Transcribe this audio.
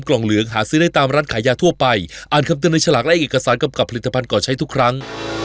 กล่องเหลืองหาซื้อได้ตามร้านขายยาทั่วไปอ่านคำเตือนในฉลากและเอกสารกำกับผลิตภัณฑ์ก่อใช้ทุกครั้ง